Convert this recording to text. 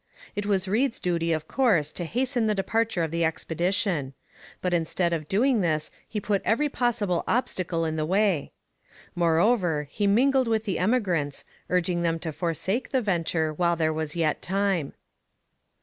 It was Reed's duty, of course, to hasten the departure of the expedition; but instead of doing this he put every possible obstacle in the way. Moreover, he mingled with the emigrants, urging them to forsake the venture while there was yet time.